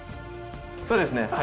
そうですね。